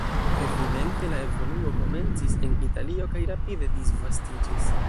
Evidente la evoluo komencis en Italio kaj rapide disvastiĝis.